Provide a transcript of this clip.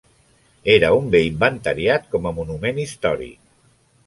És un bé inventariat com a Monument històric.